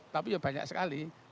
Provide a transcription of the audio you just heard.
tapi banyak sekali